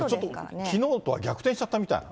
ちょっときのうとは逆転しちゃったみたいな。